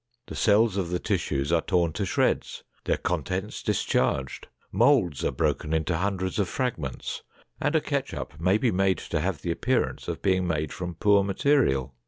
The cells of the tissues are torn to shreds, their contents discharged, molds are broken into hundreds of fragments, and a ketchup may be made to have the appearance of being made from poor material.